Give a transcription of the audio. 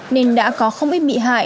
nên đã có không ít bị hại